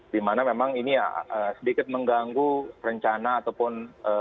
di mana memang ini sedikit mengganggu rencana ataupun